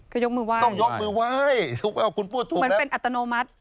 ก็ยกมือไหว้ยกมือไหว้มันเป็นอัตโนมัติต้องยกมือไหว้